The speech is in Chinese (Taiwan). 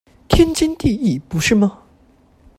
天經地義不是嗎？